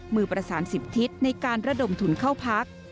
มือประสาน๑๐ทิศในการระดมทุนเข้าพัก